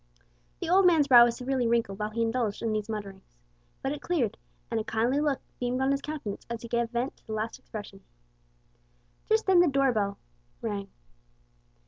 The old man's brow was severely wrinkled while he indulged in these mutterings, but it cleared, and a kindly look beamed on his countenance as he gave vent to the last expression. Just then the door bell rang.